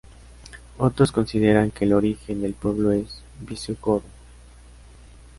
Otros consideran que el origen del pueblo es visigodo.